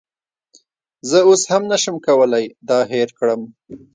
زه اوس هم نشم کولی دا هیر کړم